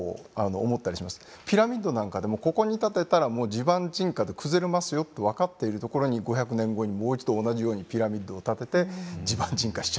ピラミッドなんかでもここに建てたら地盤沈下で崩れますよと分かっている所に５００年後にもう一度同じようにピラミッドを建てて地盤沈下しちゃうとかですね。